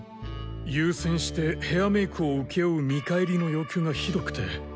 優先してヘアメイクを請け負う見返りの要求がひどくて。